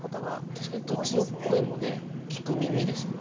確かにどっちの声もね聞く耳ですもんね。